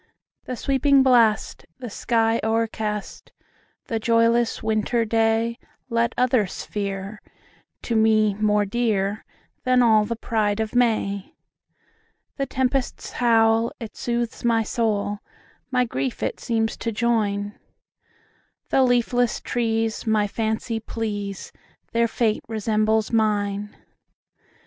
"The sweeping blast, the sky o'ercast,"The joyless winter dayLet others fear, to me more dearThan all the pride of May:The tempest's howl, it soothes my soul, My griefs it seems to join; The leafless trees my fancy please, Their fate resembles mine!